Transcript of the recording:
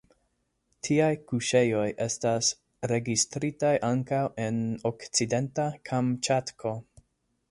Tiaj kuŝejoj estas registritaj ankaŭ en Okcidenta Kamĉatko.